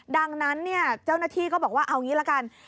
ดังนั้นเจ้าหน้าที่ก็บอกว่าเอางี้ละกัน